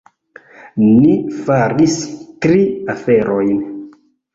Ni faris tri aferojn.